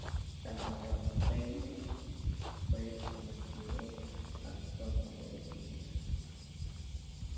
Tamaraceite fue un antiguo cantón aborigen.